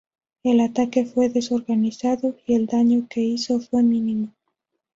El ataque fue desorganizado, y el daño que hizo fue mínimo.